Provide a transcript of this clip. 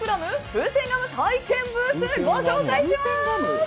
ふせんガム体験ブースをご紹介します。